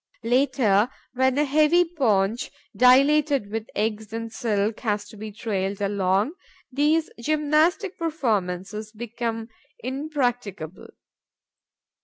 Later, when a heavy paunch, dilated with eggs and silk, has to be trailed along, those gymnastic performances become impracticable.